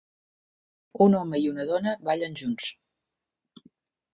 Un home i una dona ballen junts.